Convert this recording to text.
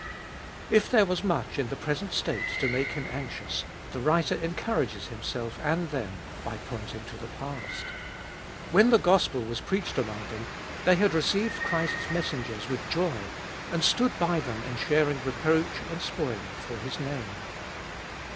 If there was much in the present state to make him anxious, the writer encourages him self and them by pointing to the past. When the gospel was preached among them they had received Christ's messengers with joy, and stood by them in sharing reproach and spoiling for His name.